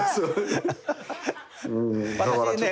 うーんだからちょっと。